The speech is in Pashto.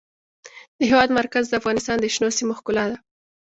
د هېواد مرکز د افغانستان د شنو سیمو ښکلا ده.